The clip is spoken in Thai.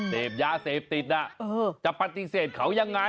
เสพยาเสพติดจะปฏิเสธเขายังไง